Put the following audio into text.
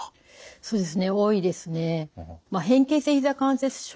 そうですね。